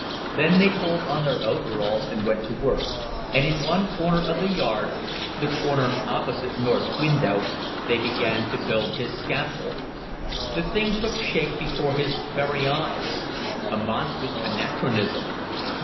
Then they pulled on their overalls and went to work, and in one corner of the yard the corner opposite North's window they began to build his scaffold. The thing took shape before his very eyes, a monstrous anachronism.